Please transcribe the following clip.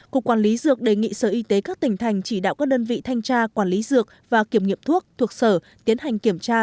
cục quản lý dược đề nghị sở y tế các tỉnh thành chỉ đạo các đơn vị thanh tra quản lý dược và kiểm nghiệm thuốc thuộc sở tiến hành kiểm tra